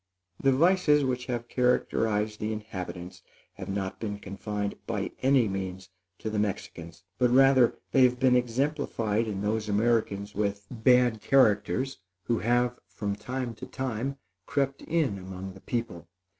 The vices which have characterized the inhabitants have not been confined, by any means, to the Mexicans; but rather they have been exemplified in those Americans with bad characters, who have, from time to time, crept in among the people.